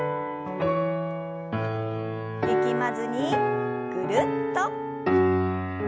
力まずにぐるっと。